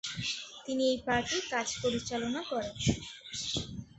তিনি এই পার্টির কাজ পরিচালনা করেন।